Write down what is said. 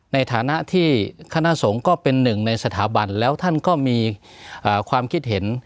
ในฐานะที่คณะสงฆ์ก็เป็นหนึ่งในสถาบันแล้วท่านก็มีความคิดเห็น